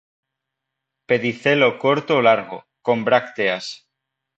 Pedicelo corto o largo, con brácteas.